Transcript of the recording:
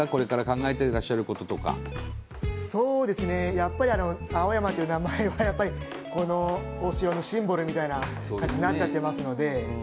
やっぱりあの「青山」という名前はやっぱりこのお城のシンボルみたいな感じになっちゃってますので。